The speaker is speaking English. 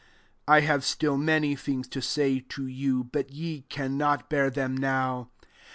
1^1 have still many things to say to you ; but ye cannot bear them now.